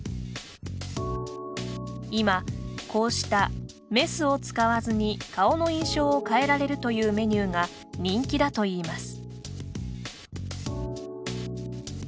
今、こうしたメスを使わずに顔の印象を変えられるというメニューが人気だといいます。